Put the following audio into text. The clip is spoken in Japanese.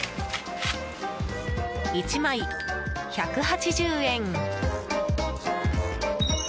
１枚１８０円。